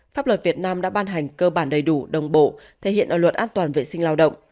pháp luật việt nam đã ban hành cơ bản đầy đủ đồng bộ thể hiện ở luật an toàn vệ sinh lao động